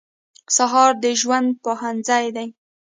سهار د ژوند پوهنځی دی.